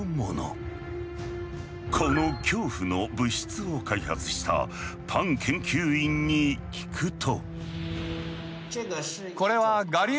この恐怖の物質を開発した潘研究員に聞くと。